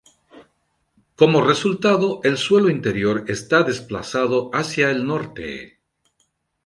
Como resultado, el suelo interior está desplazado hacia el norte.